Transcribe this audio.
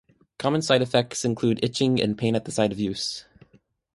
Common side effects include itching and pain at the site of use.